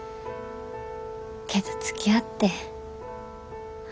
けどつきあって。